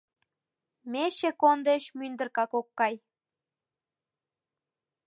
Мече кон деч мӱндыркак ок кай.